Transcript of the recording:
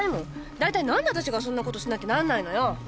大体何でわたしがそんなことしなきゃなんないのよ。